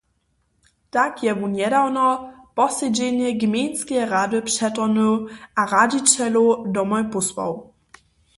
Tak je wón njedawno posedźenje gmejnskeje rady přetorhnył a radźićelow domoj pósłał.